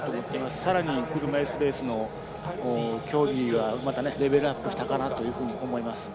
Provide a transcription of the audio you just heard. さらに車いすレースの競技がまた、レベルアップしたかなと思います。